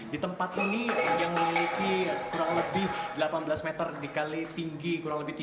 di tempat ini yang memiliki kurang lebih delapan belas meter dikali tinggi kurang lebih tiga meter